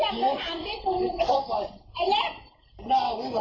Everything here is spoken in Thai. ไอ้เล็กกูหน่าวุ่งเหมือนพ่อมูนะ